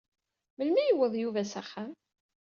Melmi i yewweḍ Yuba s axxam?